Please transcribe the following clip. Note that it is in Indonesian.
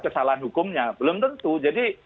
kesalahan hukumnya belum tentu jadi